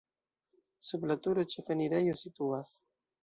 Sub la turo ĉefenirejo situas.